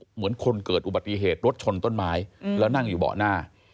เหมือนคนเกิดอุบัติเหตุรถชนต้นไม้แล้วนั่งอยู่เบาะหน้า